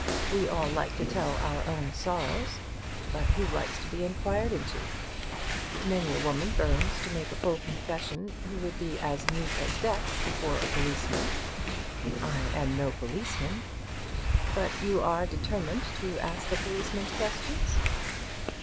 We all like to tell our own sorrows, but who likes to be inquired into? Many a woman burns to make a full confession, who would be as mute as death before a policeman." "I am no policeman." "But you are determined to ask a policeman's questions?"